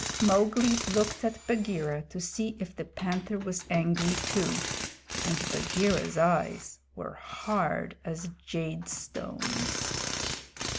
Mowgli looked at Bagheera to see if the Panther was angry too, and Bagheera's eyes were as hard as jade stones.